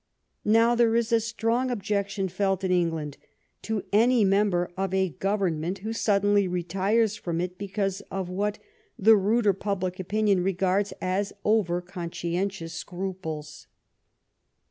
Now, there is a strong objection felt in England to any member of a Government who suddenly retires from it because of what the ruder public opinion regards as over conscientious scruples.